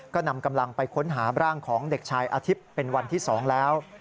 ก็นำกำลังไปค้นหาร่างของเด็กชายอาทิตย์เป็นวันที่๒แล้ว